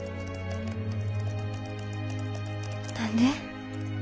何で？